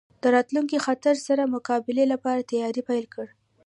د راتلونکي خطر سره د مقابلې لپاره تیاری پیل کړ.